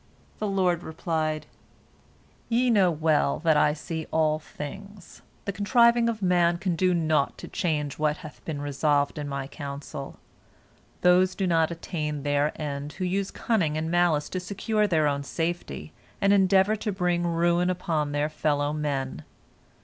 The Lord replied: "Ye know well that I see all things. The contriving of man can do naught to change what bath been resolved in My counsel. Those do not attain their end who use cunning and malice to secure their own safety, and endeavor to bring ruin upon their fellow men.